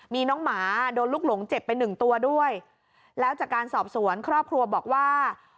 มีน้องหมาโดนลูกหลงเจ็บไปหนึ่งตัวด้วยแล้วจากการสอบสวนครอบครัวบอกว่า